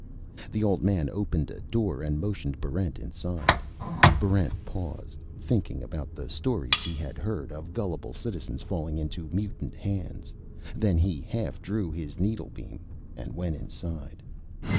The old man opened a door and motioned Barrent inside. Barrent paused, thinking about the stories he had heard of gullible citizens falling into mutant hands. Then he half drew his needlebeam and went inside.